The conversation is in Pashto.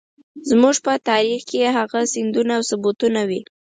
زموږ په تاريخ کې هغه سندونه او ثبوتونه وي.